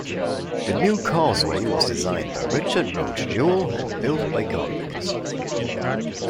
The new Causeway was designed by Richard Roach Jewell and built by convicts.